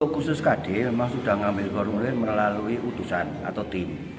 khusus kd memang sudah mengambil formulir melalui utusan atau tim